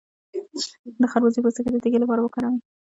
د خربوزې پوستکی د تیږې لپاره وکاروئ